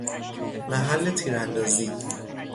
محل تیراندازی